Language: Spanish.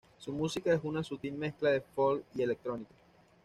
Su música es una sutil mezcla de folk y electrónica.